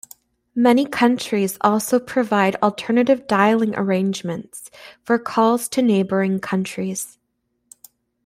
Many countries also provide alternative dialling arrangements for calls to neighbouring countries.